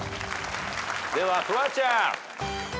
ではフワちゃん。